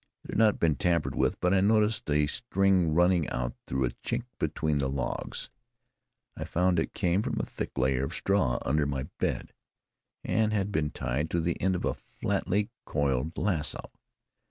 It had not been tampered with, but I noticed a string turning out through a chink between the logs. I found it came from a thick layer of straw under my bed, and had been tied to the end of a flatly coiled lasso.